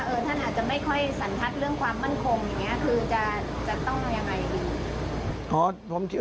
ท่านอาจจะไม่ค่อยสันทัศน์เรื่องความมั่นคงอย่างนี้คือจะต้องเอายังไงดี